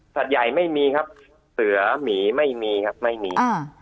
ใหญ่ไม่มีครับเสือหมีไม่มีครับไม่มี